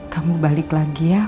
kamu balik lagi ya